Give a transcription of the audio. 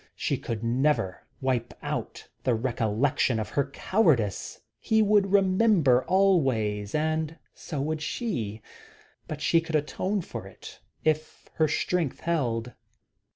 She could never wipe out the recollection of her cowardice; he would remember always, and so would she; but she could atone for it if her strength held.